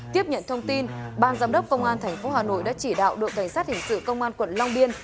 tiếp nhận thông tin ban giám đốc công an tp hà nội đã chỉ đạo đội cảnh sát hình sự công an quận long biên